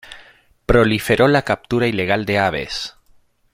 Proliferó la captura ilegal de aves.